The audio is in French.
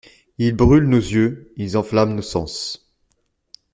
Ils brûlent nos yeux, ils enflamment nos sens.